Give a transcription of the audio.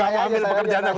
saya mau ambil pekerjaan aku